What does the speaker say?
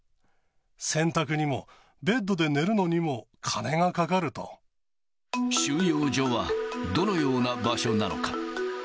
洗濯にも、ベッドで寝るのにも、収容所はどのような場所なのか。